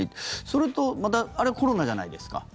それとまたあれ、コロナじゃないですか。